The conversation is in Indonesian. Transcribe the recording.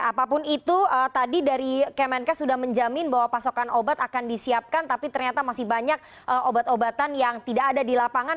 apapun itu tadi dari kemenkes sudah menjamin bahwa pasokan obat akan disiapkan tapi ternyata masih banyak obat obatan yang tidak ada di lapangan